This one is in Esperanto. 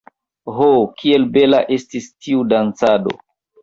Ho, kiel bela estis tiu dancado!